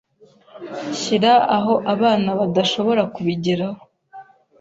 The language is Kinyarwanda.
Shyira aho abana badashobora kubigeraho.